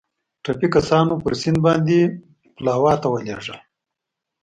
ټپي کسان مو پر سیند باندې پلاوا ته ولېږدول.